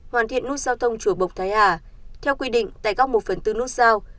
hoàn thiện nút sao thông chùa bộc thái hà theo quy định tại góc một phần bốn nút sao